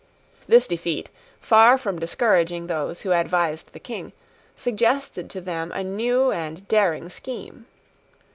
This defeat, far from discouraging those who advised the King, suggested to them a new and daring scheme.